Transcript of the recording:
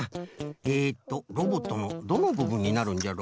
えっとロボットのどのぶぶんになるんじゃろ？